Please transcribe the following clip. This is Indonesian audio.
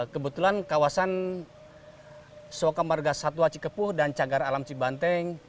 kebetulan kawasan sokamarga satwa cikepuh dan cagar alam cibanteng